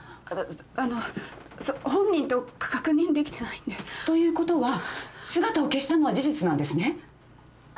あの本人と確認できてないんで。ということは姿を消したのは事実なんですね？